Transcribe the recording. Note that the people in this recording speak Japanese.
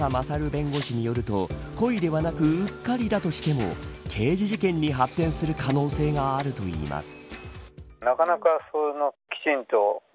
弁護士によると故意ではなくうっかりだとしても刑事事件に発展する可能性があるといいます。